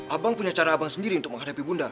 abang punya cara abang sendiri untuk menghadapi bunda